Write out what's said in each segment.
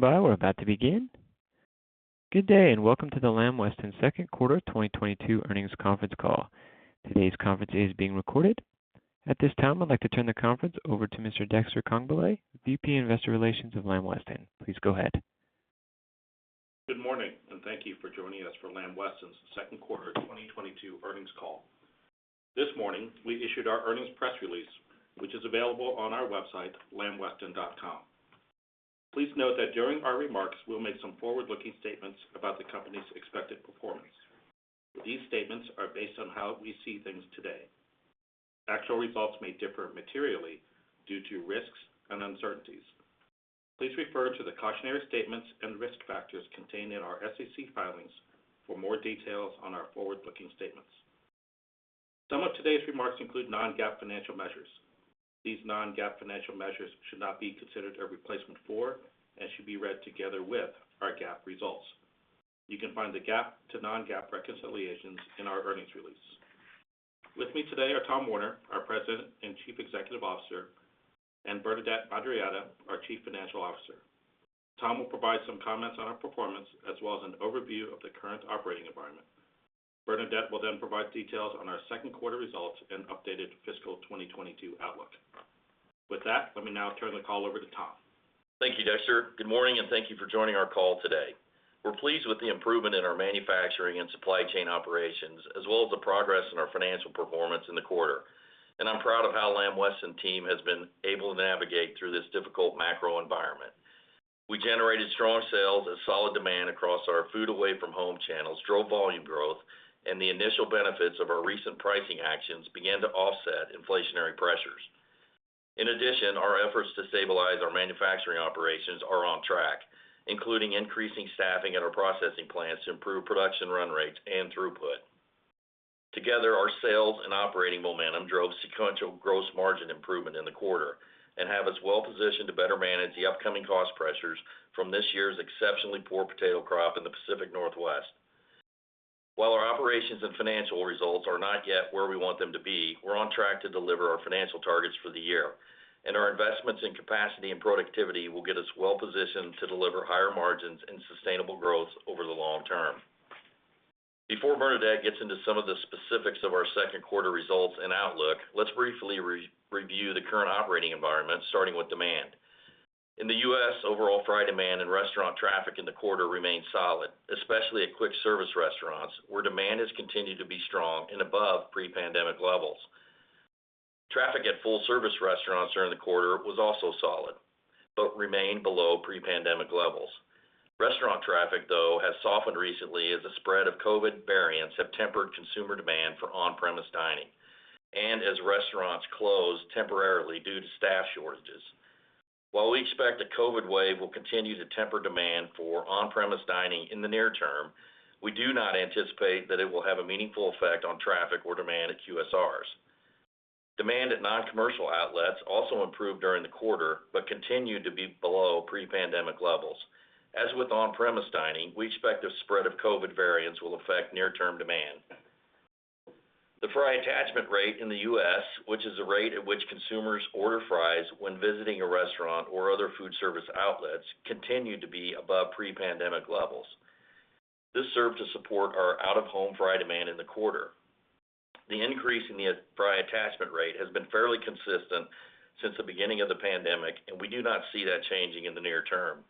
Good day, and welcome to the Lamb Weston Second Quarter 2022 Earnings Conference Call. Today's conference is being recorded. At this time, I'd like to turn the conference over to Mr. Dexter Congbele, VP Investor Relations of Lamb Weston. Please go ahead. Good morning, and thank you for joining us for Lamb Weston's second quarter 2022 earnings call. This morning, we issued our earnings press release, which is available on our website, lambweston.com. Please note that during our remarks, we'll make some forward-looking statements about the company's expected performance. These statements are based on how we see things today. Actual results may differ materially due to risks and uncertainties. Please refer to the cautionary statements and risk factors contained in our SEC filings for more details on our forward-looking statements. Some of today's remarks include non-GAAP financial measures. These non-GAAP financial measures should not be considered a replacement for and should be read together with our GAAP results. You can find the GAAP to non-GAAP reconciliations in our earnings release. With me today are Tom Warner, our President and Chief Executive Officer, and Bernadette Madarieta, our Chief Financial Officer. Tom will provide some comments on our performance as well as an overview of the current operating environment. Bernadette will then provide details on our second quarter results and updated fiscal 2022 outlook. With that, let me now turn the call over to Tom. Thank you, Dexter. Good morning, and thank you for joining our call today. We're pleased with the improvement in our manufacturing and supply chain operations, as well as the progress in our financial performance in the quarter. I'm proud of how Lamb Weston team has been able to navigate through this difficult macro environment. We generated strong sales as solid demand across our food away from home channels drove volume growth, and the initial benefits of our recent pricing actions began to offset inflationary pressures. In addition, our efforts to stabilize our manufacturing operations are on track, including increasing staffing at our processing plants to improve production run rates and throughput. Together, our sales and operating momentum drove sequential gross margin improvement in the quarter and have us well positioned to better manage the upcoming cost pressures from this year's exceptionally poor potato crop in the Pacific Northwest. While our operations and financial results are not yet where we want them to be, we're on track to deliver our financial targets for the year, and our investments in capacity and productivity will get us well positioned to deliver higher margins and sustainable growth over the long term. Before Bernadette gets into some of the specifics of our second quarter results and outlook, let's briefly review the current operating environment, starting with demand. In the U.S., overall fry demand and restaurant traffic in the quarter remained solid, especially at quick service restaurants, where demand has continued to be strong and above pre-pandemic levels. Traffic at full service restaurants during the quarter was also solid, but remained below pre-pandemic levels. Restaurant traffic, though, has softened recently as the spread of COVID variants have tempered consumer demand for on-premise dining and as restaurants close temporarily due to staff shortages. While we expect the COVID wave will continue to temper demand for on-premise dining in the near term, we do not anticipate that it will have a meaningful effect on traffic or demand at QSRs. Demand at non-commercial outlets also improved during the quarter, but continued to be below pre-pandemic levels. As with on-premise dining, we expect the spread of COVID variants will affect near-term demand. The fry attachment rate in the U.S., which is the rate at which consumers order fries when visiting a restaurant or other food service outlets, continued to be above pre-pandemic levels. This served to support our out-of-home fry demand in the quarter. The increase in the fry attachment rate has been fairly consistent since the beginning of the pandemic, and we do not see that changing in the near term.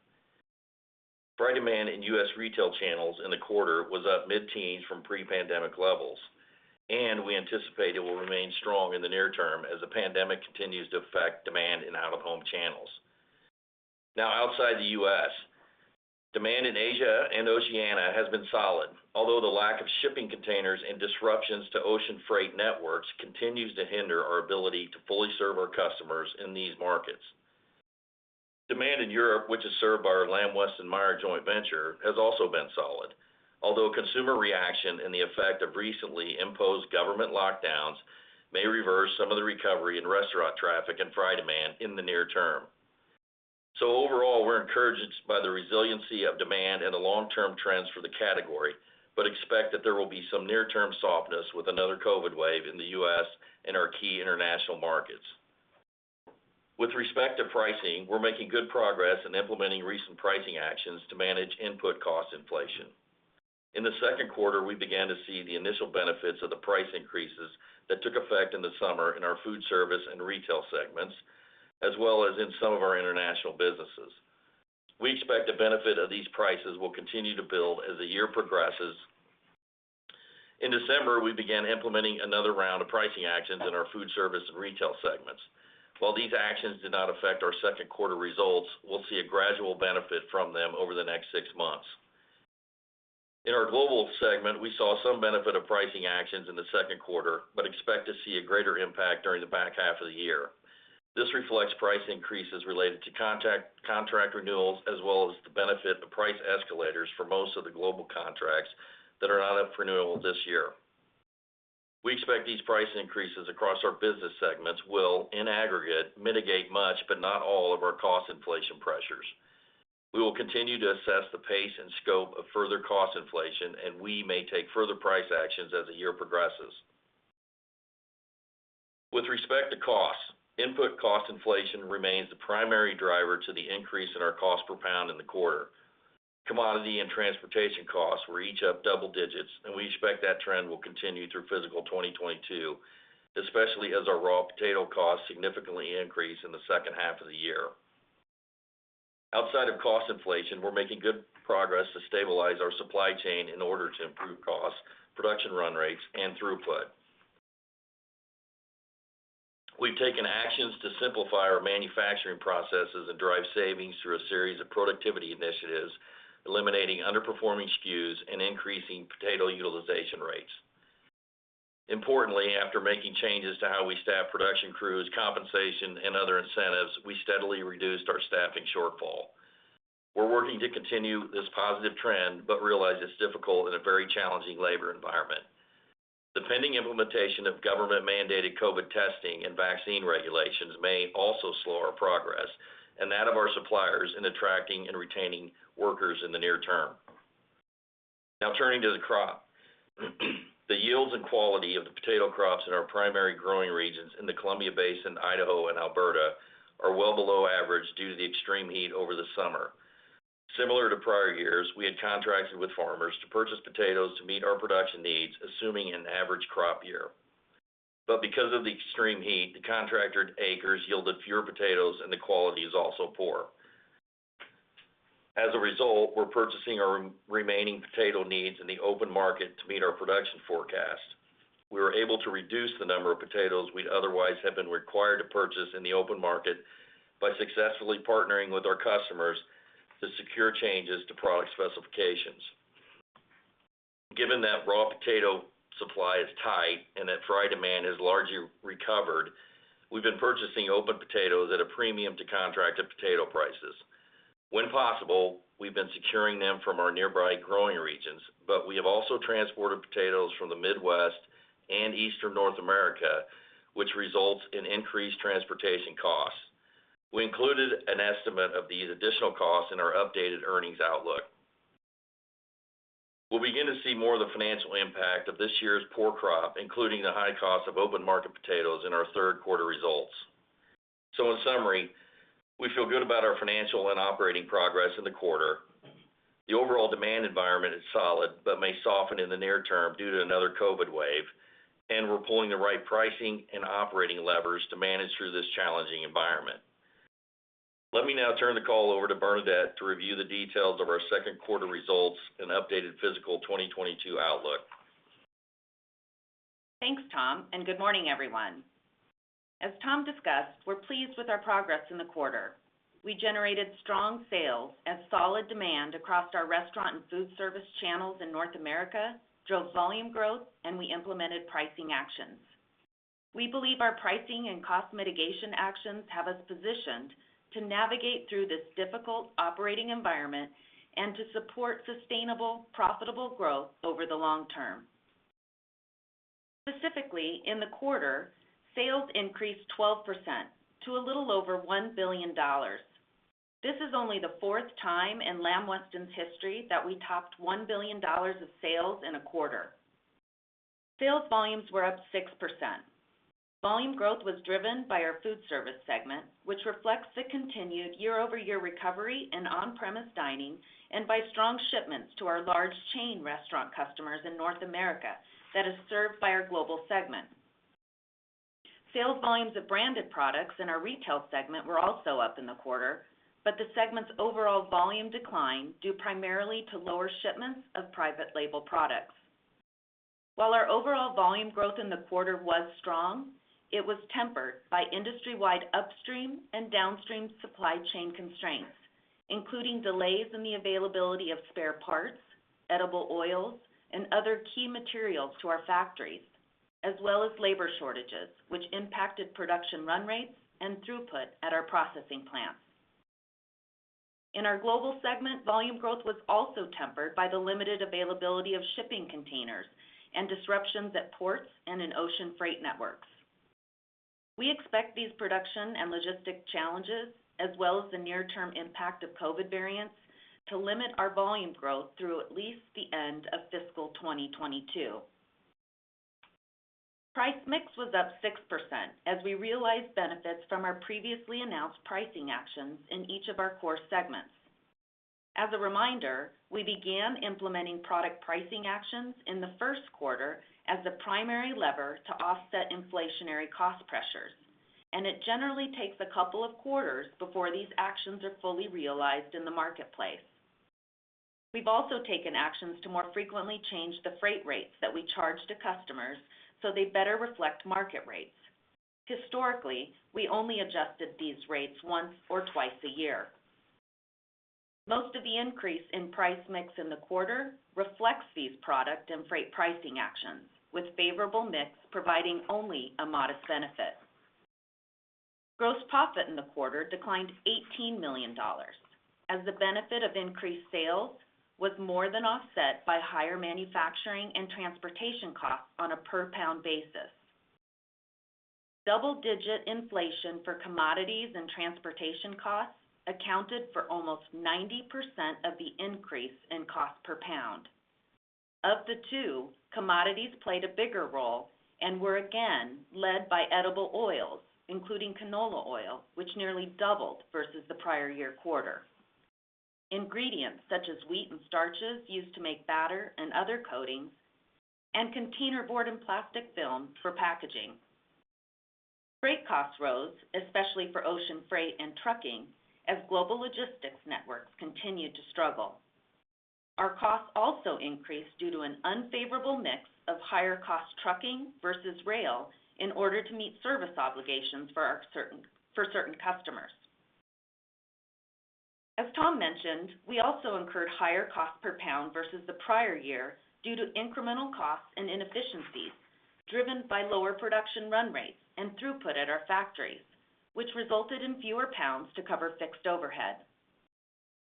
Fry demand in U.S. retail channels in the quarter was up mid-teens from pre-pandemic levels, and we anticipate it will remain strong in the near term as the pandemic continues to affect demand in out-of-home channels. Now outside the U.S., demand in Asia and Oceania has been solid, although the lack of shipping containers and disruptions to ocean freight networks continues to hinder our ability to fully serve our customers in these markets. Demand in Europe, which is served by our joint venture has also been solid. Consumer reaction and the effect of recently imposed government lockdowns may reverse some of the recovery in restaurant traffic and fry demand in the near term. Overall, we're encouraged by the resiliency of demand and the long-term trends for the category, but expect that there will be some near-term softness with another COVID wave in the U.S. and our key international markets. With respect to pricing, we're making good progress in implementing recent pricing actions to manage input cost inflation. In the second quarter, we began to see the initial benefits of the price increases that took effect in the summer in our Foodservice and Retail segments, as well as in some of our international businesses. We expect the benefit of these prices will continue to build as the year progresses. In December, we began implementing another round of pricing actions in our Foodservice and Retail segments. While these actions did not affect our second quarter results, we'll see a gradual benefit from them over the next six months. In our Global segment, we saw some benefit of pricing actions in the second quarter, but expect to see a greater impact during the back half of the year. This reflects price increases related to contract renewals, as well as the benefit of price escalators for most of the Global contracts that are not up for renewal this year. We expect these price increases across our business segments will, in aggregate, mitigate much, but not all, of our cost inflation pressures. We will continue to assess the pace and scope of further cost inflation, and we may take further price actions as the year progresses. With respect to costs, input cost inflation remains the primary driver to the increase in our cost per pound in the quarter. Commodity and transportation costs were each up double digits, and we expect that trend will continue through fiscal 2022, especially as our raw potato costs significantly increase in the second half of the year. Outside of cost inflation, we're making good progress to stabilize our supply chain in order to improve costs, production run rates, and throughput. We've taken actions to simplify our manufacturing processes and drive savings through a series of productivity initiatives, eliminating underperforming SKUs and increasing potato utilization rates. Importantly, after making changes to how we staff production crews, compensation, and other incentives, we steadily reduced our staffing shortfall. We're working to continue this positive trend, but realize it's difficult in a very challenging labor environment. Depending on implementation of government-mandated COVID testing and vaccine regulations may also slow our progress and that of our suppliers in attracting and retaining workers in the near term. Now turning to the crop. The yields and quality of the potato crops in our primary growing regions in the Columbia Basin, Idaho, and Alberta are well below average due to the extreme heat over the summer. Similar to prior years, we had contracted with farmers to purchase potatoes to meet our production needs, assuming an average crop year. Because of the extreme heat, the contracted acres yielded fewer potatoes and the quality is also poor. As a result, we're purchasing our remaining potato needs in the open market to meet our production forecast. We were able to reduce the number of potatoes we'd otherwise have been required to purchase in the open market by successfully partnering with our customers to secure changes to product specifications. Given that raw potato supply is tight and that fry demand has largely recovered, we've been purchasing open potatoes at a premium to contracted potato prices. When possible, we've been securing them from our nearby growing regions, but we have also transported potatoes from the Midwest and Eastern North America, which results in increased transportation costs. We included an estimate of these additional costs in our updated earnings outlook. We'll begin to see more of the financial impact of this year's poor crop, including the high cost of open market potatoes in our third quarter results. In summary, we feel good about our financial and operating progress in the quarter. The overall demand environment is solid but may soften in the near term due to another COVID wave, and we're pulling the right pricing and operating levers to manage through this challenging environment. Let me now turn the call over to Bernadette to review the details of our second quarter results and updated fiscal 2022 outlook. Thanks, Tom, and good morning, everyone. As Tom discussed, we're pleased with our progress in the quarter. We generated strong sales, as solid demand across our restaurant and Foodservice channels in North America, drove volume growth, and we implemented pricing actions. We believe our pricing and cost mitigation actions have us positioned to navigate through this difficult operating environment and to support sustainable, profitable growth over the long term. Specifically, in the quarter, sales increased 12% to a little over $1 billion. This is only the fourth time in Lamb Weston's history that we topped $1 billion of sales in a quarter. Sales volumes were up 6%. Volume growth was driven by our Foodservice segment, which reflects the continued year-over-year recovery in on-premise dining and by strong shipments to our large chain restaurant customers in North America that is served by our Global segment. Sales volumes of branded products in our Retail segment were also up in the quarter, but the segment's overall volume declined due primarily to lower shipments of private label products. While our overall volume growth in the quarter was strong, it was tempered by industry-wide upstream and downstream supply chain constraints, including delays in the availability of spare parts, edible oils, and other key materials to our factories, as well as labor shortages, which impacted production run rates and throughput at our processing plants. In our Global segment, volume growth was also tempered by the limited availability of shipping containers and disruptions at ports and in ocean freight networks. We expect these production and logistics challenges, as well as the near-term impact of COVID variants, to limit our volume growth through at least the end of fiscal 2022. Price mix was up 6% as we realized benefits from our previously announced pricing actions in each of our core segments. As a reminder, we began implementing product pricing actions in the first quarter as the primary lever to offset inflationary cost pressures, and it generally takes a couple of quarters before these actions are fully realized in the marketplace. We've also taken actions to more frequently change the freight rates that we charge to customers so they better reflect market rates. Historically, we only adjusted these rates once or twice a year. Most of the increase in price mix in the quarter reflects these product and freight pricing actions, with favorable mix providing only a modest benefit. Gross profit in the quarter declined $18 million as the benefit of increased sales was more than offset by higher manufacturing and transportation costs on a per pound basis. Double-digit inflation for commodities and transportation costs accounted for almost 90% of the increase in cost per pound. Of the two, commodities played a bigger role and were again led by edible oils, including canola oil, which nearly doubled versus the prior year quarter, including ingredients such as wheat and starches used to make batter and other coatings, and container board and plastic film for packaging. Freight costs rose, especially for ocean freight and trucking, as global logistics networks continued to struggle. Our costs also increased due to an unfavorable mix of higher cost trucking versus rail in order to meet service obligations for certain customers. As Tom mentioned, we also incurred higher cost per pound versus the prior year due to incremental costs and inefficiencies driven by lower production run rates and throughput at our factories, which resulted in fewer pounds to cover fixed overhead.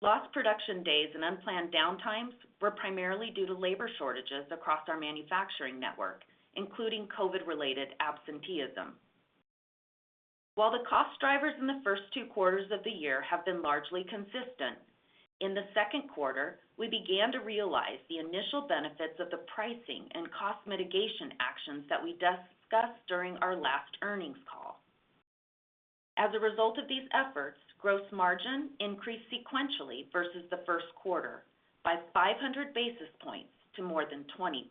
Lost production days and unplanned downtimes were primarily due to labor shortages across our manufacturing network, including COVID-related absenteeism. While the cost drivers in the first two quarters of the year have been largely consistent, in the second quarter, we began to realize the initial benefits of the pricing and cost mitigation actions that we discussed during our last earnings call. As a result of these efforts, gross margin increased sequentially versus the first quarter by 500 basis points to more than 20%.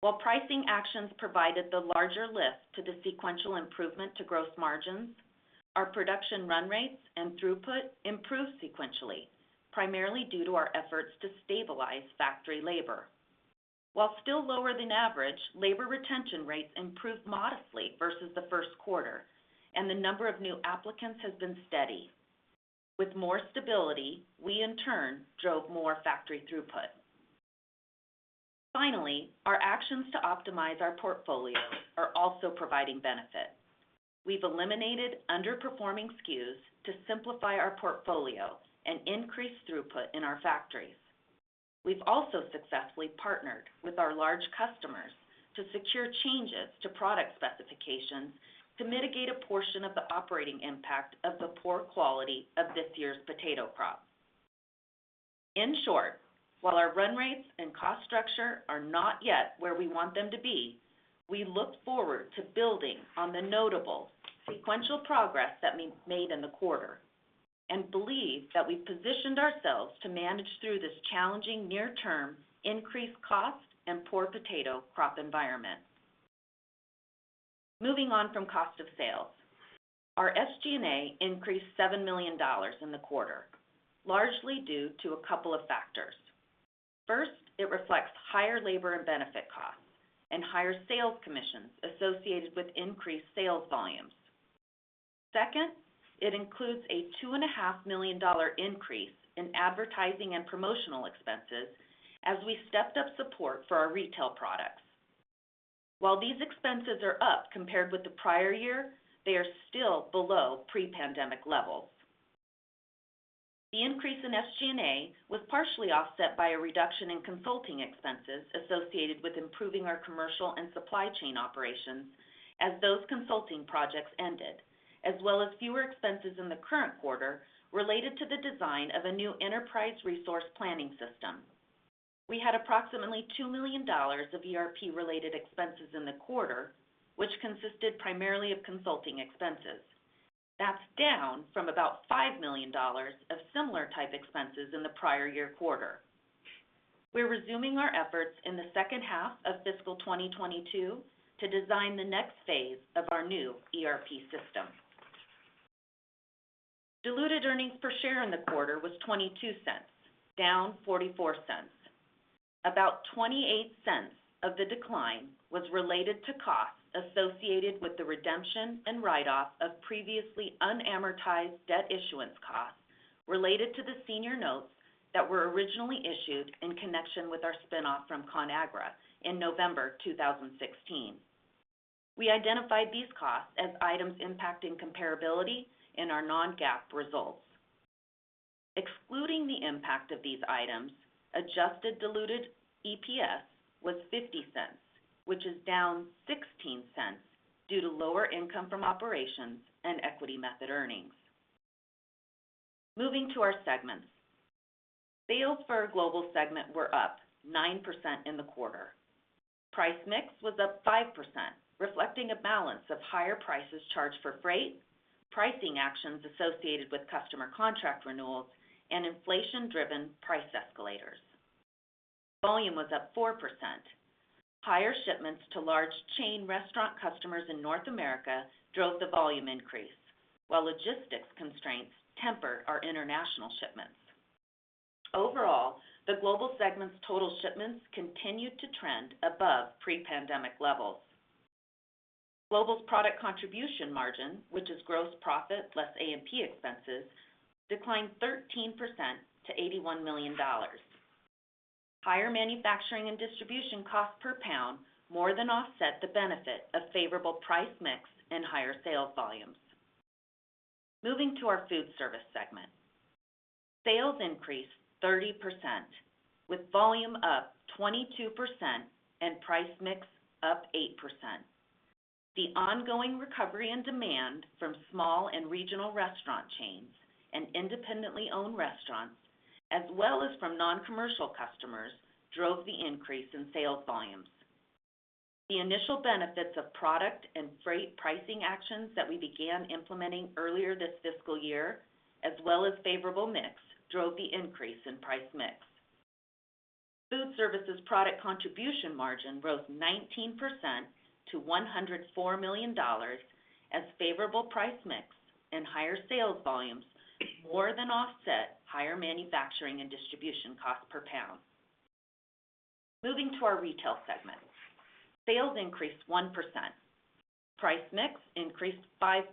While pricing actions provided the larger lift to the sequential improvement to gross margins, our production run rates and throughput improved sequentially, primarily due to our efforts to stabilize factory labor. While still lower than average, labor retention rates improved modestly versus the first quarter, and the number of new applicants has been steady. With more stability, we in turn drove more factory throughput. Finally, our actions to optimize our portfolio are also providing benefit. We've eliminated underperforming SKUs to simplify our portfolio and increase throughput in our factories. We've also successfully partnered with our large customers to secure changes to product specifications to mitigate a portion of the operating impact of the poor quality of this year's potato crop. In short, while our run rates and cost structure are not yet where we want them to be, we look forward to building on the notable sequential progress that we made in the quarter and believe that we've positioned ourselves to manage through this challenging near term, increased cost and poor potato crop environment. Moving on from cost of sales. Our SG&A increased $7 million in the quarter, largely due to a couple of factors. First, it reflects higher labor and benefit costs and higher sales commissions associated with increased sales volumes. Second, it includes a $2.5 million increase in advertising and promotional expenses as we stepped up support for our Retail products. While these expenses are up compared with the prior year, they are still below pre-pandemic levels. The increase in SG&A was partially offset by a reduction in consulting expenses associated with improving our commercial and supply chain operations as those consulting projects ended, as well as fewer expenses in the current quarter related to the design of a new enterprise resource planning system. We had approximately $2 million of ERP-related expenses in the quarter, which consisted primarily of consulting expenses. That's down from about $5 million of similar type expenses in the prior year quarter. We're resuming our efforts in the second half of fiscal 2022 to design the next phase of our new ERP system. Diluted earnings per share in the quarter was $0.22, down $0.44. About $0.28 of the decline was related to costs associated with the redemption and write-off of previously unamortized debt issuance costs related to the senior notes that were originally issued in connection with our spin-off from Conagra in November 2016. We identified these costs as items impacting comparability in our non-GAAP results. Excluding the impact of these items, Adjusted Diluted EPS was $0.50, which is down $0.16 due to lower income from operations and equity method earnings. Moving to our segments. Sales for our Global segment were up 9% in the quarter. Price mix was up 5%, reflecting a balance of higher prices charged for freight, pricing actions associated with customer contract renewals, and inflation-driven price escalators. Volume was up 4%. Higher shipments to large chain restaurant customers in North America drove the volume increase, while logistics constraints tempered our international shipments. Overall, the Global segment's total shipments continued to trend above pre-pandemic levels. Global's product contribution margin, which is gross profit less A&P expenses, declined 13% to $81 million. Higher manufacturing and distribution costs per pound more than offset the benefit of favorable price mix and higher sales volumes. Moving to our Foodservice segment. Sales increased 30%, with volume up 22% and price mix up 8%. The ongoing recovery in demand from small and regional restaurant chains and independently owned restaurants, as well as from non-commercial customers, drove the increase in sales volumes. The initial benefits of product and freight pricing actions that we began implementing earlier this fiscal year, as well as favorable mix, drove the increase in price mix. Foodservice's product contribution margin rose 19% to $104 million as favorable price mix and higher sales volumes more than offset higher manufacturing and distribution costs per pound. Moving to our Retail segment. Sales increased 1%. Price mix increased 5%,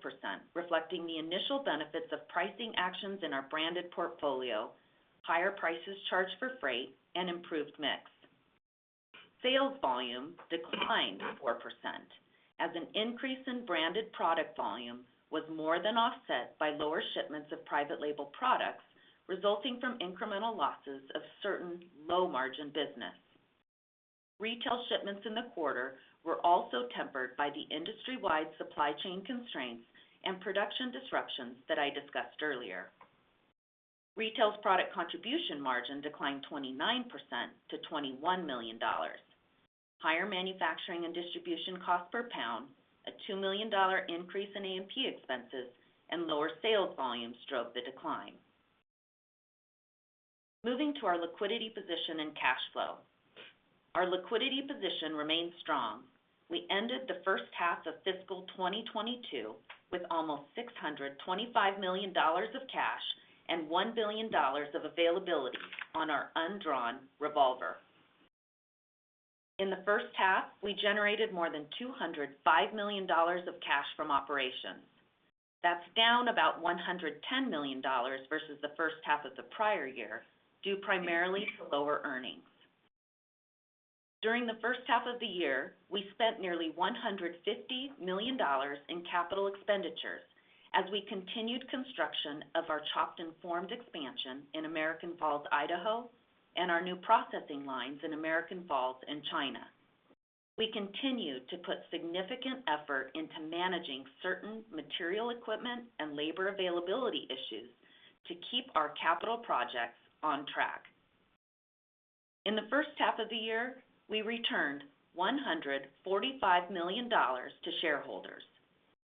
reflecting the initial benefits of pricing actions in our branded portfolio, higher prices charged for freight, and improved mix. Sales volume declined 4% as an increase in branded product volume was more than offset by lower shipments of private label products resulting from incremental losses of certain low-margin business. Retail shipments in the quarter were also tempered by the industry-wide supply chain constraints and production disruptions that I discussed earlier. Retail's product contribution margin declined 29% to $21 million. Higher manufacturing and distribution costs per pound, a $2 million increase in A&P expenses, and lower sales volumes drove the decline. Moving to our liquidity position and cash flow. Our liquidity position remains strong. We ended the first half of fiscal 2022 with almost $625 million of cash and $1 billion of availability on our undrawn revolver. In the first half, we generated more than $205 million of cash from operations. That's down about $110 million versus the first half of the prior year due primarily to lower earnings. During the first half of the year, we spent nearly $150 million in capital expenditures as we continued construction of our chopped and formed expansion in American Falls, Idaho, and our new processing lines in American Falls and China. We continue to put significant effort into managing certain material equipment and labor availability issues to keep our capital projects on track. In the first half of the year, we returned $145 million to shareholders,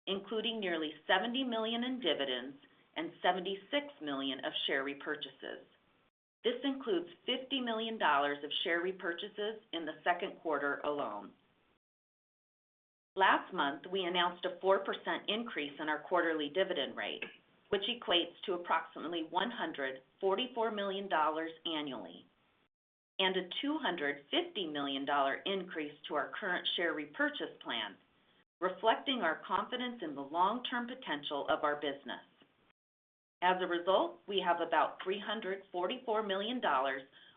including nearly $70 million in dividends and $76 million of share repurchases. This includes $50 million of share repurchases in the second quarter alone. Last month, we announced a 4% increase in our quarterly dividend rate, which equates to approximately $144 million annually, and a $250 million increase to our current share repurchase plan, reflecting our confidence in the long-term potential of our business. As a result, we have about $344 million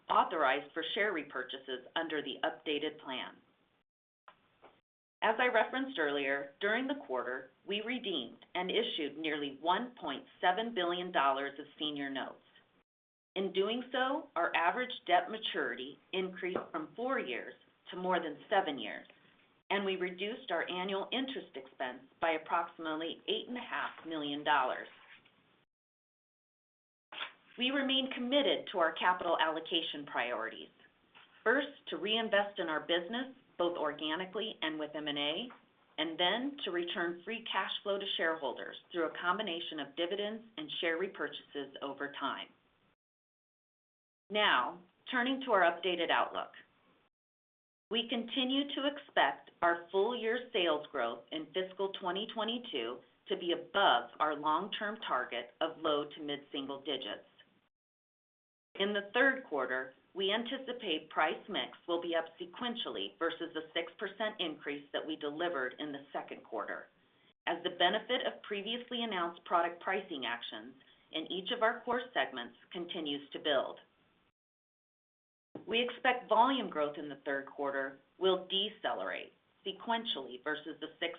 authorized for share repurchases under the updated plan. As I referenced earlier, during the quarter, we redeemed and issued nearly $1.7 billion of senior notes. In doing so, our average debt maturity increased from four years to more than seven years, and we reduced our annual interest expense by approximately $8.5 million. We remain committed to our capital allocation priorities. First, to reinvest in our business, both organically and with M&A, and then to return free cash flow to shareholders through a combination of dividends and share repurchases over time. Now, turning to our updated outlook. We continue to expect our full year sales growth in fiscal 2022 to be above our long-term target of low- to mid-single digits. In the third quarter, we anticipate price mix will be up sequentially versus the 6% increase that we delivered in the second quarter as the benefit of previously announced product pricing actions in each of our core segments continues to build. We expect volume growth in the third quarter will decelerate sequentially versus the 6%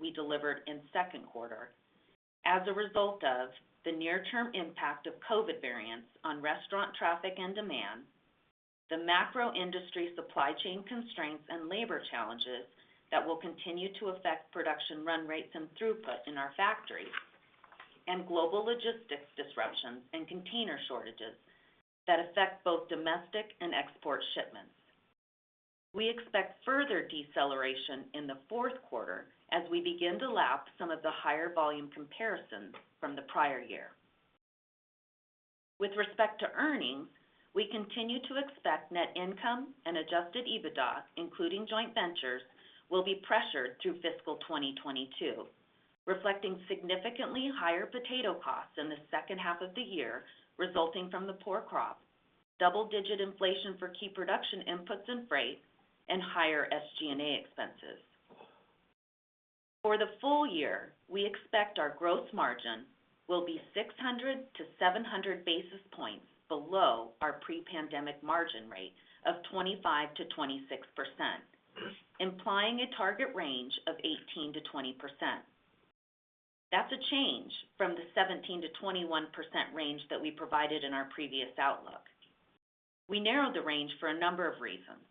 we delivered in second quarter as a result of the near term impact of COVID variants on restaurant traffic and demand, the macro industry supply chain constraints and labor challenges that will continue to affect production run rates and throughput in our factories, and global logistics disruptions and container shortages that affect both domestic and export shipments. We expect further deceleration in the fourth quarter as we begin to lap some of the higher volume comparisons from the prior year. With respect to earnings, we continue to expect net income and Adjusted EBITDA, including joint ventures, will be pressured through fiscal 2022, reflecting significantly higher potato costs in the second half of the year resulting from the poor crop, double-digit inflation for key production inputs and freight, and higher SG&A expenses. For the full year, we expect our gross margin will be 600-700 basis points below our pre-pandemic margin rate of 25%-26%, implying a target range of 18%-20%. That's a change from the 17%-21% range that we provided in our previous outlook. We narrowed the range for a number of reasons.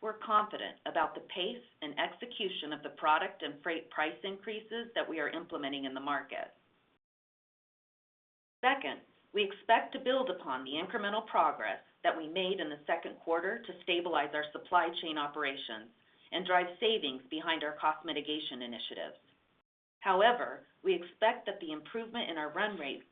First, we're confident about the pace and execution of the product and freight price increases that we are implementing in the market. Second, we expect to build upon the incremental progress that we made in the second quarter to stabilize our supply chain operations and drive savings behind our cost mitigation initiatives. However, we expect that the improvement in our run rates,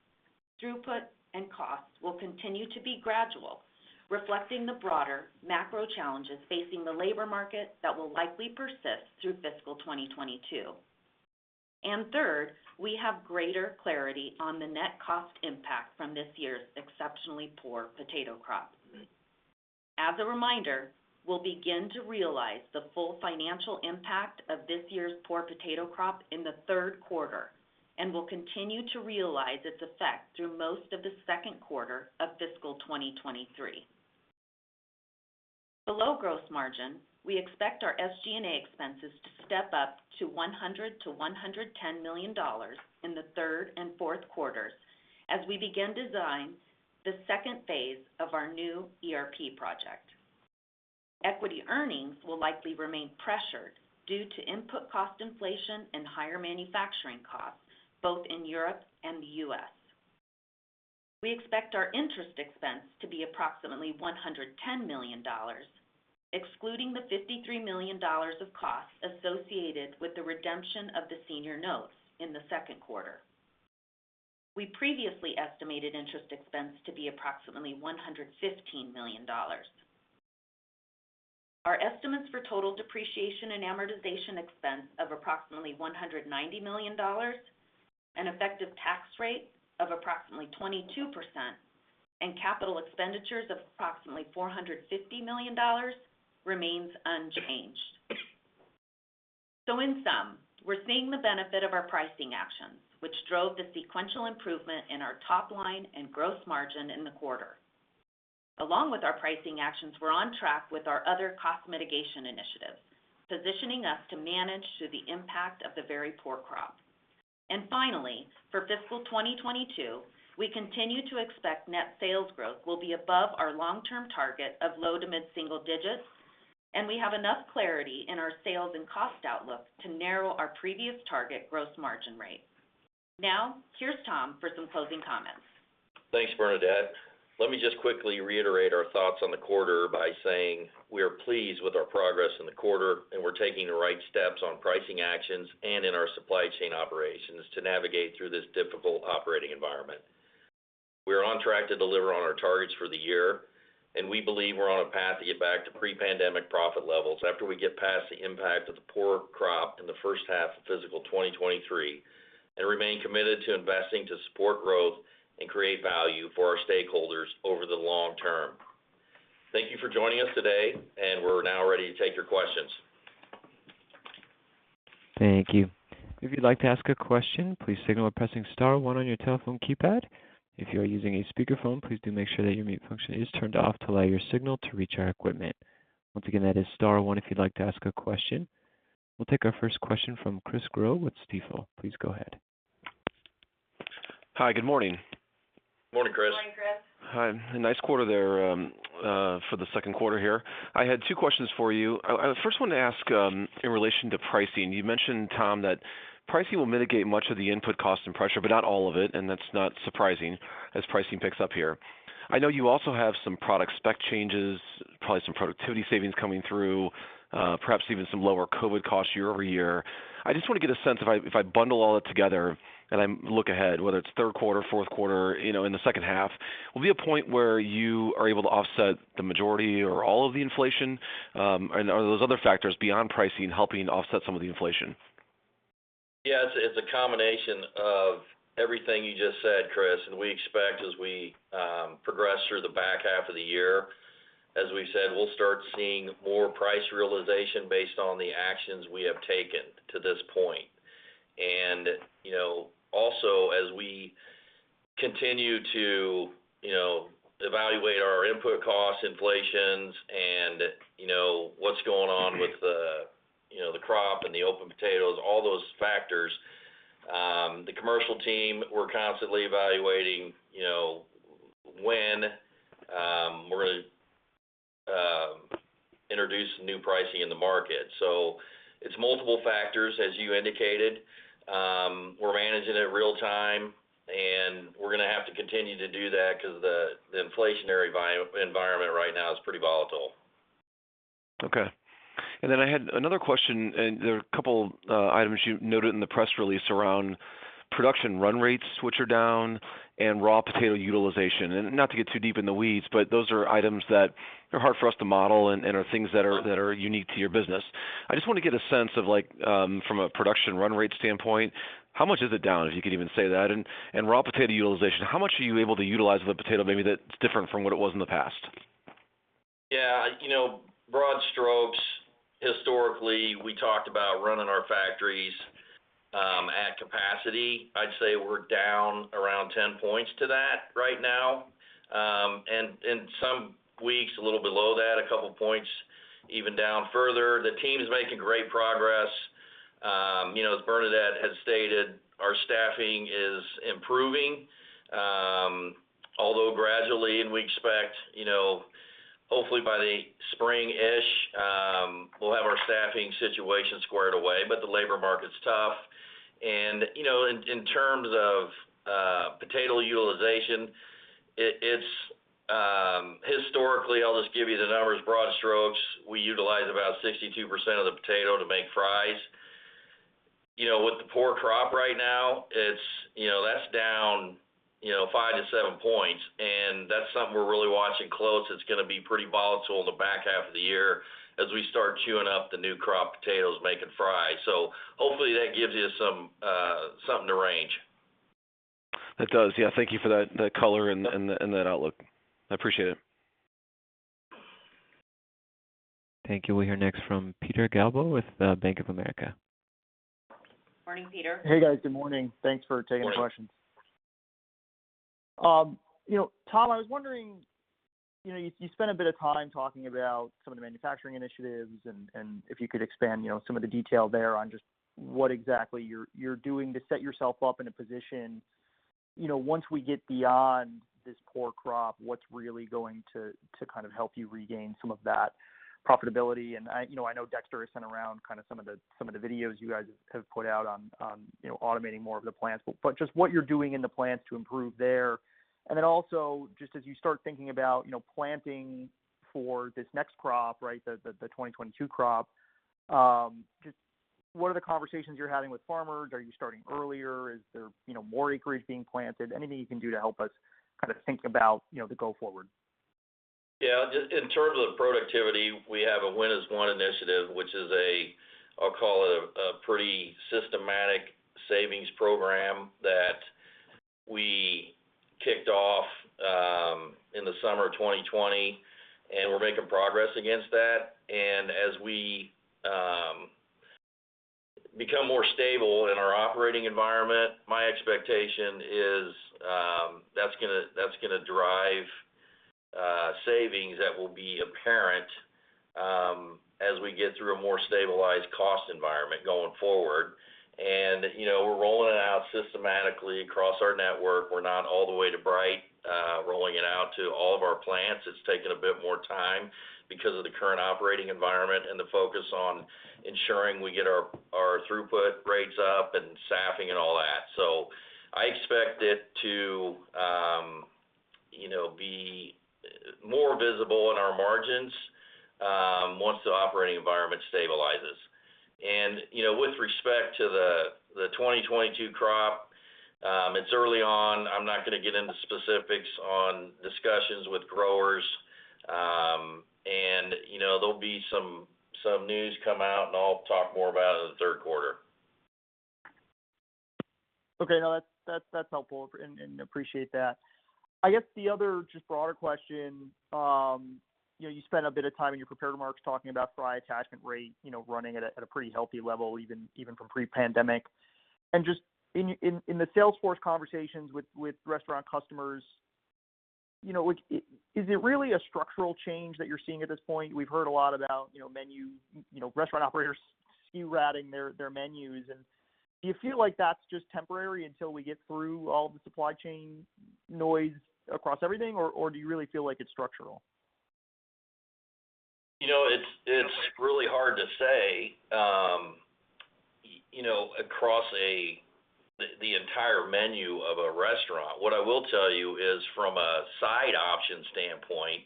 throughput, and costs will continue to be gradual, reflecting the broader macro challenges facing the labor market that will likely persist through fiscal 2022. Third, we have greater clarity on the net cost impact from this year's exceptionally poor potato crop. As a reminder, we'll begin to realize the full financial impact of this year's poor potato crop in the third quarter, and will continue to realize its effect through most of the second quarter of fiscal 2023. Below gross margin, we expect our SG&A expenses to step up to $100 million-$110 million in the third and fourth quarters as we begin designing the second phase of our new ERP project. Equity earnings will likely remain pressured due to input cost inflation and higher manufacturing costs, both in Europe and the U.S. We expect our interest expense to be approximately $110 million, excluding the $53 million of costs associated with the redemption of the senior notes in the second quarter. We previously estimated interest expense to be approximately $115 million. Our estimates for total depreciation and amortization expense of approximately $190 million, an effective tax rate of approximately 22%, and capital expenditures of approximately $450 million remains unchanged. In sum, we're seeing the benefit of our pricing actions, which drove the sequential improvement in our top line and gross margin in the quarter. Along with our pricing actions, we're on track with our other cost mitigation initiatives, positioning us to manage through the impact of the very poor crop. Finally, for fiscal 2022, we continue to expect net sales growth will be above our long-term target of low to mid single digits, and we have enough clarity in our sales and cost outlook to narrow our previous target gross margin rate. Now, here's Tom for some closing comments. Thanks, Bernadette. Let me just quickly reiterate our thoughts on the quarter by saying we are pleased with our progress in the quarter, and we're taking the right steps on pricing actions and in our supply chain operations to navigate through this difficult operating environment. We are on track to deliver on our targets for the year, and we believe we're on a path to get back to pre-pandemic profit levels after we get past the impact of the poor crop in the first half of fiscal 2023, and remain committed to investing to support growth and create value for our stakeholders over the long term. Thank you for joining us today, and we're now ready to take your questions. Thank you. If you'd like to ask a question, please signal by pressing star one on your telephone keypad. If you are using a speakerphone, please do make sure that your mute function is turned off to allow your signal to reach our equipment. Once again, that is star one if you'd like to ask a question. We'll take our first question from Chris Growe with Stifel. Please go ahead. Hi. Good morning. Morning, Chris. Morning, Chris. Hi. A nice quarter there for the second quarter here. I had two questions for you. I first want to ask in relation to pricing. You mentioned, Tom, that pricing will mitigate much of the input cost and pressure, but not all of it, and that's not surprising as pricing picks up here. I know you also have some product spec changes, probably some productivity savings coming through, perhaps even some lower COVID costs year-over-year. I just want to get a sense if I bundle all that together and I'm looking ahead, whether it's third quarter, fourth quarter, you know, in the second half, will be a point where you are able to offset the majority or all of the inflation, and are those other factors beyond pricing helping offset some of the inflation? Yes, it's a combination of everything you just said, Chris. We expect as we progress through the back half of the year, as we said, we'll start seeing more price realization based on the actions we have taken to this point. You know, also as we continue to evaluate our input costs, inflation and, you know, what's going on with the, you know, the crop and the open potatoes, all those factors, the commercial team, we're constantly evaluating, you know, when we're gonna introduce new pricing in the market. It's multiple factors, as you indicated. We're managing it real time, and we're gonna have to continue to do that because the inflationary environment right now is pretty volatile. Okay. I had another question, and there are a couple items you noted in the press release around production run rates, which are down, and raw potato utilization. Not to get too deep in the weeds, but those are items that are hard for us to model and are things that are unique to your business. I just want to get a sense of like, from a production run rate standpoint, how much is it down, if you could even say that? Raw potato utilization, how much are you able to utilize the potato maybe that's different from what it was in the past? Yeah. You know, broad strokes, historically, we talked about running our factories at capacity. I'd say we're down around 10 points to that right now. Some weeks a little below that, a couple of points even down further. The team is making great progress. You know, as Bernadette had stated, our staffing is improving, although gradually, and we expect, you know, hopefully by the spring-ish, we'll have our staffing situation squared away. The labor market's tough. You know, in terms of potato utilization, it's historically, I'll just give you the numbers broad strokes. We utilize about 62% of the potato to make fries. You know, with the poor crop right now, it's you know, that's down you know, 5-7 points, and that's something we're really watching close. It's gonna be pretty volatile in the back half of the year as we start chewing up the new crop potatoes making fries. Hopefully that gives you some, something to range. That does. Yeah. Thank you for that, the color and that outlook. I appreciate it. Thank you. We'll hear next from Peter Galbo with Bank of America. Morning, Peter. Hey, guys. Good morning. Thanks for taking the questions. You know, Tom, I was wondering, you know, you spent a bit of time talking about some of the manufacturing initiatives, and if you could expand, you know, some of the detail there on just what exactly you're doing to set yourself up in a position. You know, once we get beyond this poor crop, what's really going to kind of help you regain some of that profitability? And I, you know, I know Dexter has sent around kind of some of the videos you guys have put out on, you know, automating more of the plants, but just what you're doing in the plants to improve there. Just as you start thinking about, you know, planting for this next crop, right, the 2022 crop, just what are the conversations you're having with farmers? Are you starting earlier? Is there, you know, more acreage being planted? Anything you can do to help us kind of think about, you know, the go forward. Yeah. Just in terms of productivity, we have a Win as One initiative, which is a, I'll call it a pretty systematic savings program that we kicked off in the summer of 2020, and we're making progress against that. As we become more stable in our operating environment, my expectation is that's gonna drive savings that will be apparent as we get through a more stabilized cost environment going forward. You know, we're rolling it out systematically across our network. We're not all the way to Bright rolling it out to all of our plants. It's taken a bit more time because of the current operating environment and the focus on ensuring we get our throughput rates up and staffing and all that. I expect it to, you know, be more visible in our margins once the operating environment stabilizes. You know, with respect to the 2022 crop, it's early on. I'm not gonna get into specifics on discussions with growers. You know, there'll be some news come out, and I'll talk more about it in the third quarter. Okay. No, that's helpful and appreciate that. I guess the other just broader question, you know, you spent a bit of time in your prepared remarks talking about fry attachment rate, you know, running at a pretty healthy level, even from pre-pandemic. Just in the sales force conversations with restaurant customers, you know, is it really a structural change that you're seeing at this point? We've heard a lot about, you know, menu, you know, restaurant operators SKU rationalizing their menus. Do you feel like that's just temporary until we get through all the supply chain noise across everything, or do you really feel like it's structural? You know, it's really hard to say, you know, across the entire menu of a restaurant. What I will tell you is from a side option standpoint,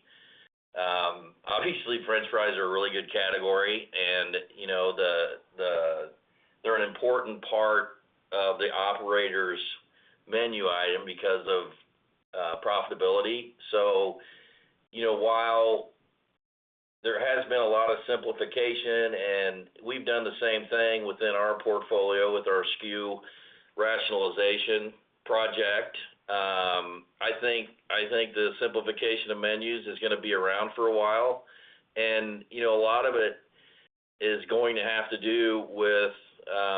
obviously french fries are a really good category and, you know, they're an important part of the operator's menu item because of profitability. You know, while there has been a lot of simplification, and we've done the same thing within our portfolio with our SKU rationalization project. I think the simplification of menus is gonna be around for a while. You know, a lot of it is going to have to do with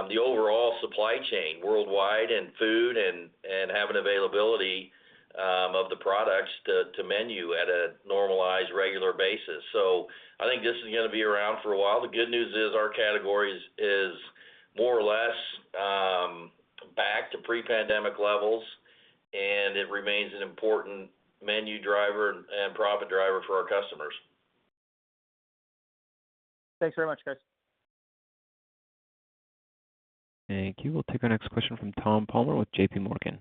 the overall supply chain worldwide and food and having availability of the products to menu at a normalized, regular basis. I think this is gonna be around for a while. The good news is our category is more or less back to pre-pandemic levels, and it remains an important menu driver and profit driver for our customers. Thanks very much, guys. Thank you. We'll take our next question from Tom Palmer with J.P. Morgan.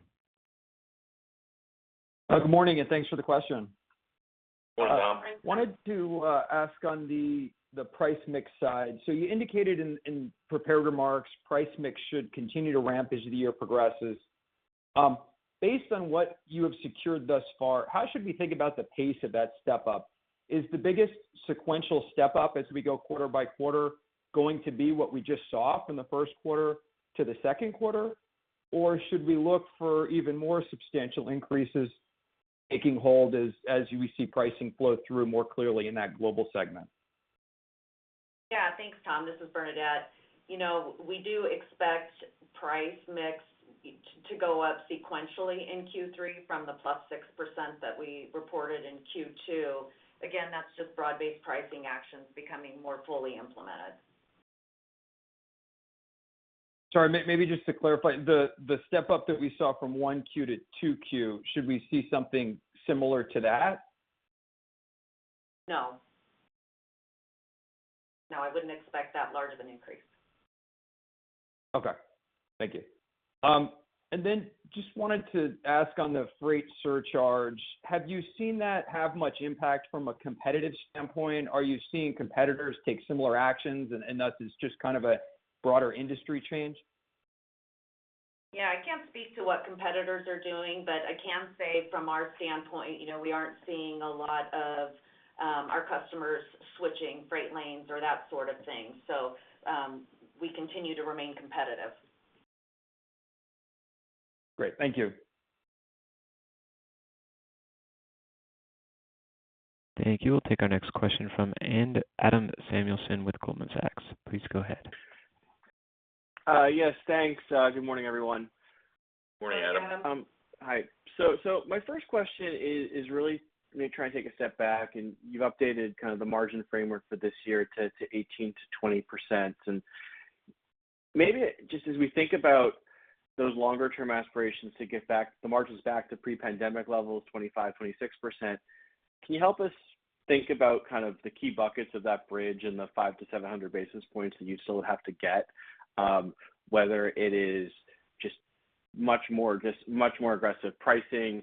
Good morning, and thanks for the question. Good morning, Tom. wanted to ask on the price mix side. You indicated in prepared remarks, price mix should continue to ramp as the year progresses. Based on what you have secured thus far, how should we think about the pace of that step up? Is the biggest sequential step up as we go quarter by quarter going to be what we just saw from the first quarter to the second quarter? Or should we look for even more substantial increases taking hold as we see pricing flow through more clearly in that Global segment? Yeah. Thanks, Tom. This is Bernadette. You know, we do expect price mix to go up sequentially in Q3 from the +6% that we reported in Q2. Again, that's just broad-based pricing actions becoming more fully implemented. Sorry, maybe just to clarify. The step up that we saw from 1Q to 2Q, should we see something similar to that? No. No, I wouldn't expect that large of an increase. Okay. Thank you. Just wanted to ask on the freight surcharge. Have you seen that much impact from a competitive standpoint? Are you seeing competitors take similar actions and thus it's just kind of a broader industry change? Yeah. I can't speak to what competitors are doing, but I can say from our standpoint, you know, we aren't seeing a lot of, our customers switching freight lanes or that sort of thing. We continue to remain competitive. Great. Thank you. Thank you. We'll take our next question from Adam Samuelson with Goldman Sachs. Please go ahead. Yes, thanks. Good morning, everyone. Morning, Adam. Hi, Adam. Hi. My first question is really me trying to take a step back, and you've updated kind of the margin framework for this year to 18%-20%. Maybe just as we think about those longer term aspirations to get the margins back to pre-pandemic levels, 25%, 26%, can you help us think about kind of the key buckets of that bridge and the 500-700 basis points that you still have to get, whether it is just much more aggressive pricing,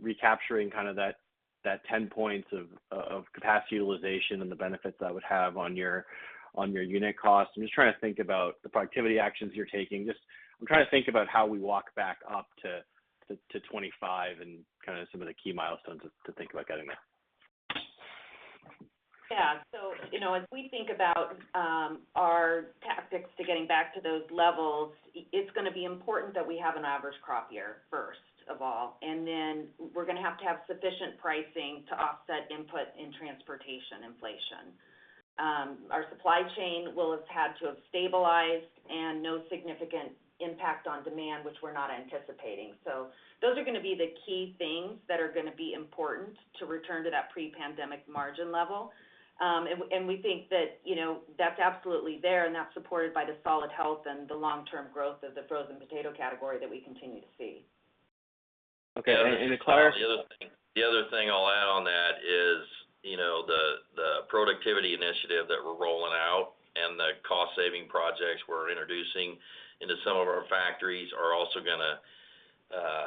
recapturing kind of that 10 points of capacity utilization and the benefits that would have on your unit cost. I'm just trying to think about the productivity actions you're taking. Just I'm trying to think about how we walk back up to 25 and kinda some of the key milestones to think about getting there. Yeah. You know, as we think about our tactics to getting back to those levels, it's gonna be important that we have an average crop year, first of all, and then we're gonna have to have sufficient pricing to offset input in transportation inflation. Our supply chain will have had to have stabilized and no significant impact on demand, which we're not anticipating. Those are gonna be the key things that are gonna be important to return to that pre-pandemic margin level. And we think that, you know, that's absolutely there, and that's supported by the solid health and the long-term growth of the frozen potato category that we continue to see. Okay. To clarify- The other thing I'll add on that is, you know, the productivity initiative that we're rolling out and the cost saving projects we're introducing into some of our factories are also gonna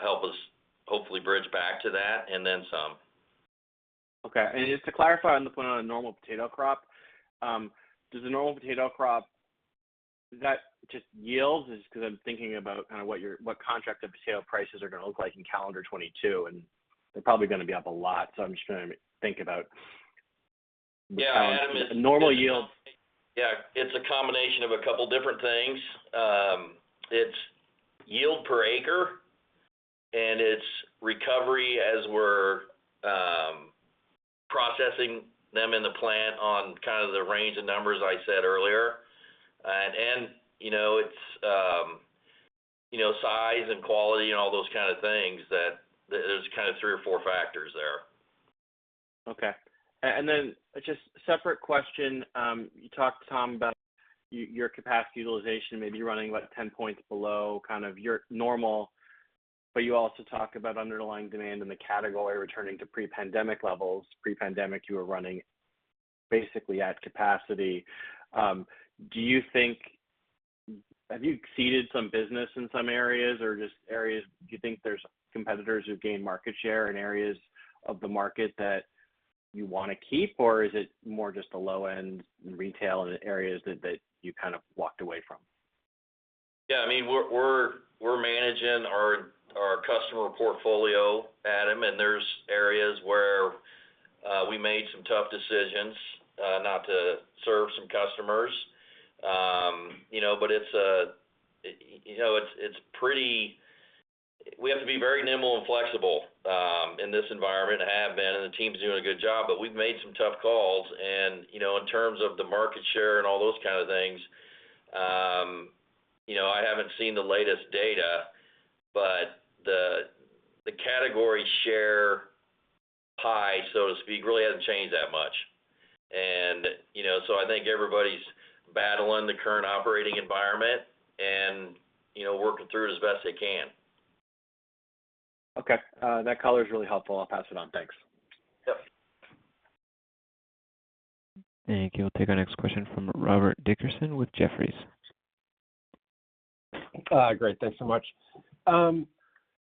help us hopefully bridge back to that and then some. Okay. Just to clarify on the point on a normal potato crop, does the normal potato crop just yield? Just 'cause I'm thinking about kinda what contract of potato prices are gonna look like in calendar 2022, and they're probably gonna be up a lot, so I'm just trying to think about- Yeah, Adam. the normal yield. Yeah. It's a combination of a couple different things. It's yield per acre, and it's recovery as we're processing them in the plant on kind of the range of numbers I said earlier. You know, it's you know, size and quality and all those kind of things that there's kind of three or four factors there. Okay. Just separate question. You talked, Tom, about your capacity utilization maybe running what, 10 points below kind of your normal, but you also talk about underlying demand in the category returning to pre-pandemic levels. Pre-pandemic, you were running basically at capacity. Have you ceded some business in some areas or do you think there's competitors who've gained market share in areas of the market that you wanna keep, or is it more just the low end retail and areas that you kind of walked away from? Yeah, I mean, we're managing our customer portfolio, Adam, and there's areas where we made some tough decisions not to serve some customers. You know, but it's pretty. We have to be very nimble and flexible in this environment, and have been, and the team's doing a good job, but we've made some tough calls. You know, in terms of the market share and all those kind of things, you know, I haven't seen the latest data, but the category share pie, so to speak, really hasn't changed that much. You know, so I think everybody's battling the current operating environment and, you know, working through it as best they can. Okay. That color is really helpful. I'll pass it on. Thanks. Yep. Thank you. We'll take our next question from Robert Dickerson with Jefferies. Great. Thanks so much.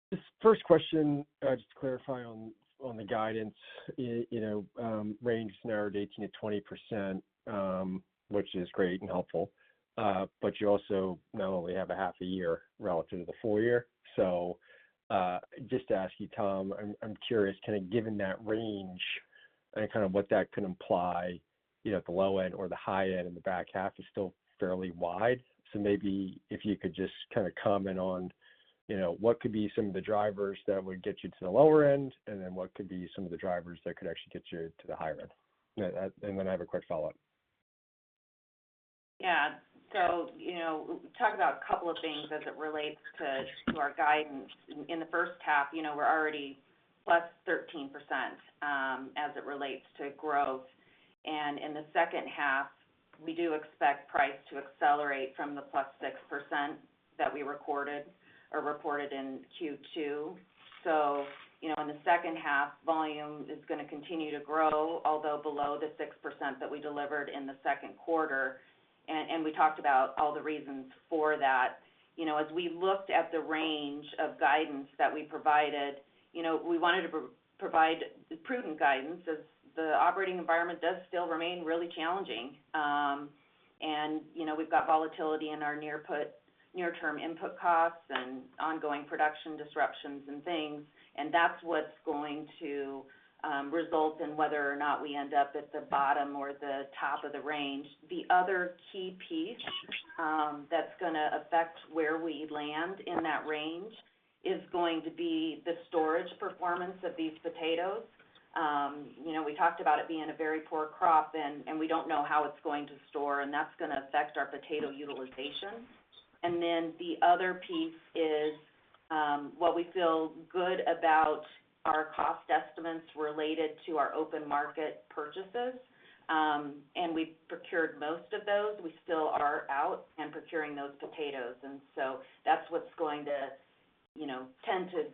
This first question, just to clarify on the guidance. You know, range narrowed 18%-20%, which is great and helpful. But you also not only have a half a year relative to the full year. Just to ask you, Tom, I'm curious, kind of given that range and kind of what that could imply, you know, at the low end or the high end, and the back half is still fairly wide. So maybe if you could just kinda comment on, you know, what could be some of the drivers that would get you to the lower end, and then what could be some of the drivers that could actually get you to the higher end? And then I have a quick follow-up. Yeah. You know, talk about a couple of things as it relates to our guidance. In the first half, you know, we're already plus 13%, as it relates to growth. In the second half, we do expect price to accelerate from the plus 6% that we recorded or reported in Q2. You know, in the second half, volume is gonna continue to grow, although below the 6% that we delivered in the second quarter, and we talked about all the reasons for that. You know, as we looked at the range of guidance that we provided, you know, we wanted to provide prudent guidance as the operating environment does still remain really challenging. You know, we've got volatility in our near-term input costs and ongoing production disruptions and things, and that's what's going to result in whether or not we end up at the bottom or the top of the range. The other key piece, that's gonna affect where we land in that range is going to be the storage performance of these potatoes. You know, we talked about it being a very poor crop and we don't know how it's going to store, and that's gonna affect our potato utilization. The other piece is, while we feel good about our cost estimates related to our open market purchases, and we've procured most of those, we still are out and procuring those potatoes. That's what's going to, you know, tend to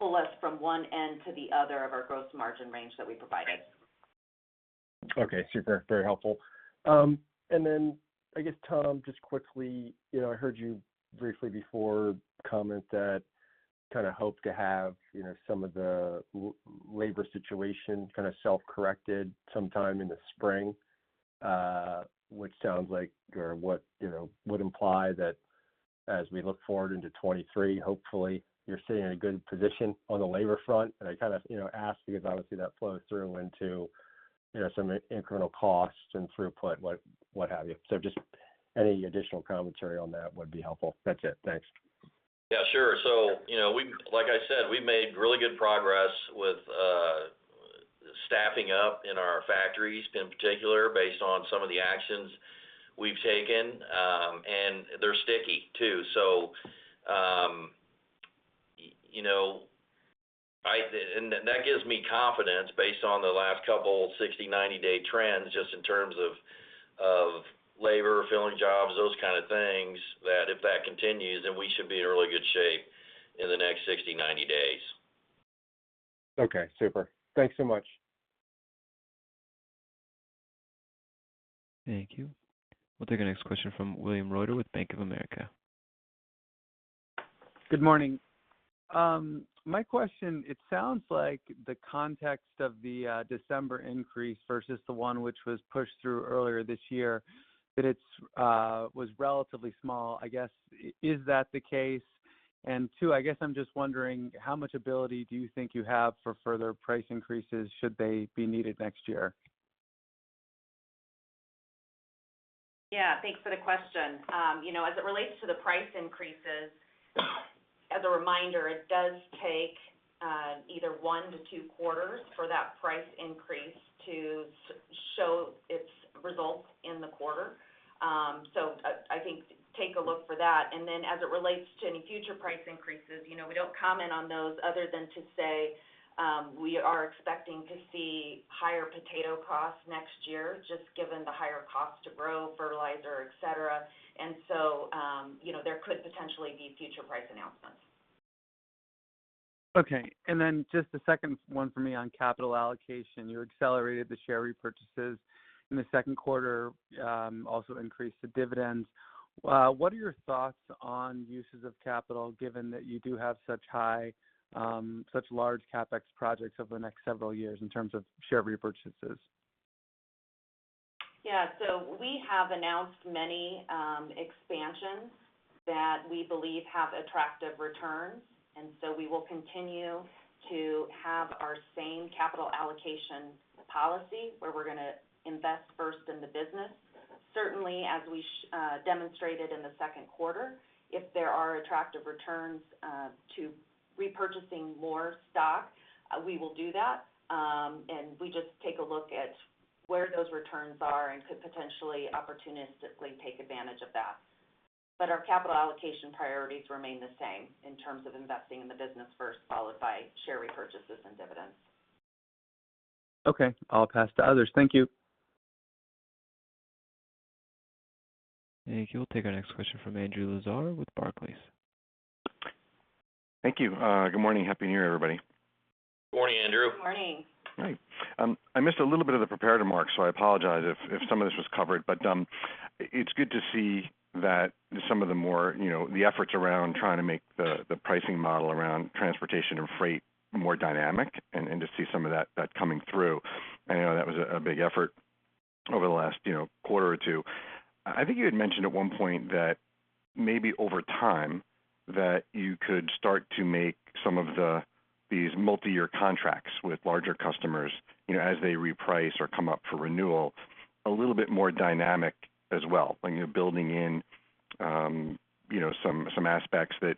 pull us from one end to the other of our gross margin range that we provided. Okay. Super. Very helpful. I guess, Tom, just quickly, you know, I heard you briefly before comment that kind of hope to have, you know, some of the labor situation kind of self-corrected sometime in the spring, which sounds like or what, you know, would imply that as we look forward into 2023, hopefully you're sitting in a good position on the labor front. I kind of, you know, ask because obviously that flows through into, you know, some incremental costs and throughput, what have you. Just any additional commentary on that would be helpful. That's it. Thanks. Yeah, sure. You know, like I said, we've made really good progress with staffing up in our factories, in particular, based on some of the actions we've taken. They're sticky too. You know, that gives me confidence based on the last couple 60, 90-day trends, just in terms of labor, filling jobs, those kind of things, that if that continues, then we should be in really good shape in the next 60, 90 days. Okay. Super. Thanks so much. Thank you. We'll take our next question from William Reuter with Bank of America. Good morning. My question, it sounds like the context of the December increase versus the one which was pushed through earlier this year, that it was relatively small. I guess, is that the case? Two, I guess I'm just wondering, how much ability do you think you have for further price increases should they be needed next year? Yeah. Thanks for the question. You know, as it relates to the price increases, as a reminder, it does take either 1-2 quarters for that price increase to show its results in the quarter. I think take a look for that. As it relates to any future price increases, you know, we don't comment on those other than to say we are expecting to see higher potato costs next year, just given the higher cost to grow, fertilizer, et cetera. You know, there could potentially be future price announcements. Okay. Just the second one for me on capital allocation. You accelerated the share repurchases in the second quarter, also increased the dividends. What are your thoughts on uses of capital given that you do have such high, such large CapEx projects over the next several years in terms of share repurchases? We have announced many expansions that we believe have attractive returns, and we will continue to have our same capital allocation policy, where we're gonna invest first in the business. Certainly, as we demonstrated in the second quarter, if there are attractive returns to repurchasing more stock, we will do that. We just take a look at where those returns are and could potentially opportunistically take advantage of that. Our capital allocation priorities remain the same in terms of investing in the business first, followed by share repurchases and dividends. Okay. I'll pass to others. Thank you. Thank you. We'll take our next question from Andrew Lazar with Barclays. Thank you. Good morning. Happy New Year, everybody. Good morning, Andrew. Good morning. Hi. I missed a little bit of the prepared remarks, so I apologize if some of this was covered, but it's good to see that some of the more, you know, the efforts around trying to make the pricing model around transportation and freight more dynamic and to see some of that coming through. I know that was a big effort over the last, you know, quarter or two. I think you had mentioned at one point that maybe over time that you could start to make some of the, these multi-year contracts with larger customers, you know, as they reprice or come up for renewal a little bit more dynamic as well, when you're building in, you know, some aspects that.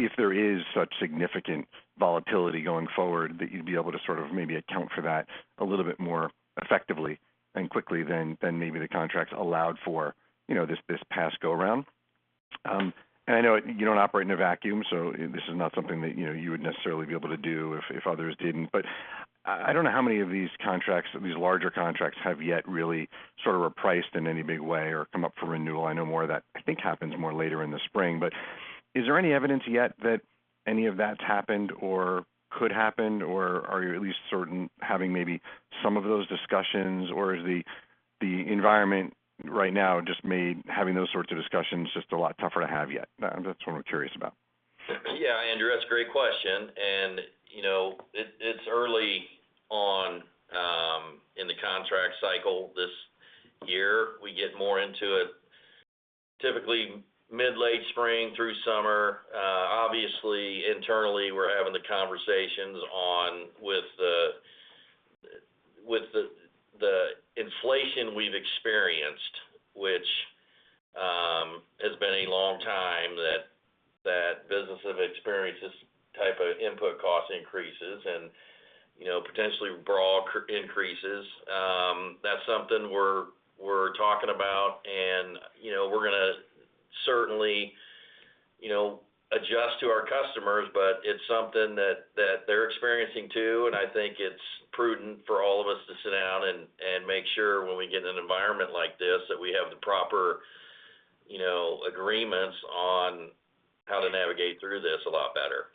If there is such significant volatility going forward. That you'd be able to sort of maybe account for that a little bit more effectively and quickly than maybe the contracts allowed for, you know, this past go around. I know you don't operate in a vacuum, so this is not something that, you know, you would necessarily be able to do if others didn't, but I don't know how many of these contracts, these larger contracts have yet really sort of repriced in any big way or come up for renewal. I know more of that, I think, happens more later in the spring. Is there any evidence yet that any of that's happened or could happen, or are you at least certain having maybe some of those discussions, or is the environment right now just made having those sorts of discussions just a lot tougher to have yet? That's what I'm curious about. Yeah, Andrew, that's a great question. You know, it's early on in the contract cycle this year. We get more into it typically mid, late spring through summer. Obviously, internally, we're having the conversations on with the inflation we've experienced, which has been a long time that business have experienced this type of input cost increases and, you know, potentially raw increases. That's something we're talking about and, you know, we're gonna certainly, you know, adjust to our customers, but it's something that they're experiencing too, and I think it's prudent for all of us to sit down and make sure when we get in an environment like this that we have the proper, you know, agreements on how to navigate through this a lot better.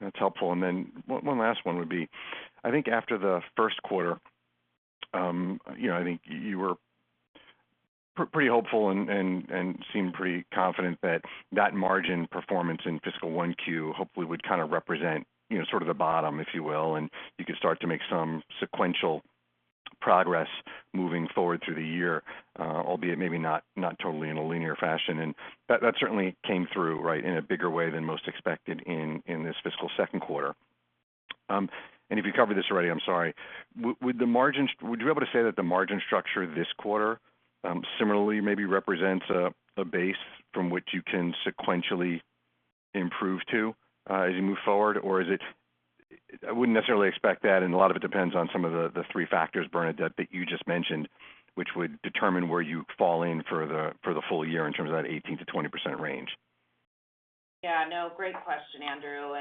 That's helpful. Then one last one would be, I think after the first quarter, you know, I think you were pretty hopeful and seemed pretty confident that that margin performance in fiscal 1Q hopefully would kind of represent, you know, sort of the bottom, if you will, and you could start to make some sequential progress moving forward through the year, albeit maybe not totally in a linear fashion. That certainly came through, right, in a bigger way than most expected in this fiscal second quarter. If you covered this already, I'm sorry. With the margins, would you be able to say that the margin structure this quarter similarly maybe represents a base from which you can sequentially improve to, as you move forward? Or is it? I wouldn't necessarily expect that, and a lot of it depends on some of the three factors, Bernadette, that you just mentioned, which would determine where you fall in for the full year in terms of that 18%-20% range. Yeah, no, great question, Andrew.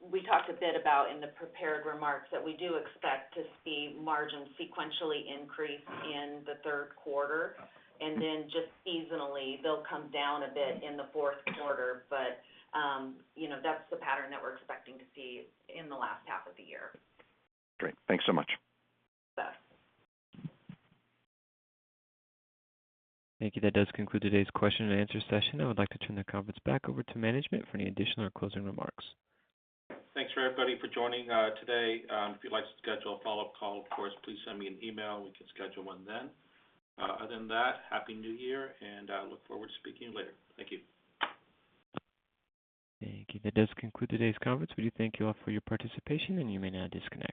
We talked a bit about in the prepared remarks that we do expect to see margins sequentially increase in the third quarter and then just seasonally they'll come down a bit in the fourth quarter. You know, that's the pattern that we're expecting to see in the last half of the year. Great. Thanks so much. You bet. Thank you. That does conclude today's question and answer session. I would like to turn the conference back over to management for any additional or closing remarks. Thanks for everybody for joining today. If you'd like to schedule a follow-up call, of course, please send me an email, we can schedule one then. Other than that, Happy New Year, and I look forward to speaking later. Thank you. Thank you. That does conclude today's conference. We thank you all for your participation and you may now disconnect.